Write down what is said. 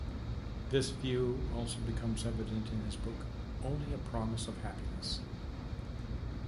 This view also becomes evident in his book "Only a Promise of Happiness".